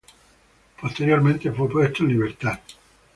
Posteriormente fue puesto en libertad.